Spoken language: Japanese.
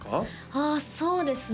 ああそうですね